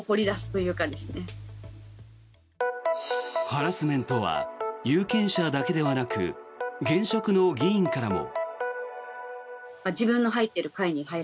ハラスメントは有権者だけではなく現職の議員からも。